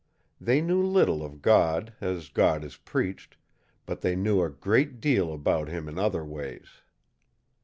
They knew little of God, as God is preached; but they knew a great deal about Him in other ways.